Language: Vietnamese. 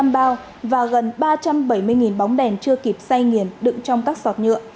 một trăm chín mươi năm bao và gần ba trăm bảy mươi bóng đèn chưa kịp say nghiền đựng trong các sọt nhựa